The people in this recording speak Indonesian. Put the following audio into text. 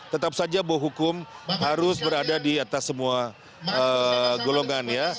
tetap saja bahwa hukum harus berada di atas semua golongan ya